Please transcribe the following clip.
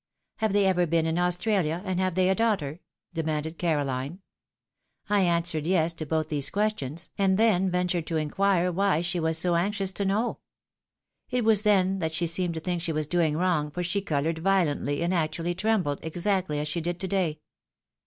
' Have they ever been in AustraUa, and have they a daughter ?' de manded Carohne. I answered ' Yes ' to both these questions, and then ventured to inquire why she was so anxious to know. It was then that she seemed to think she was doing wrong, for she coloured violently, and actually trembled, exactly as she did to day.